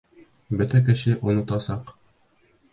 Бөтә кеше онотасаҡ.